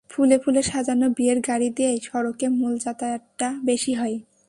ফুলে ফুলে সাজানো বিয়ের গাড়ি দিয়েই সড়কে মূল যাতায়াতটা বেশি হয়।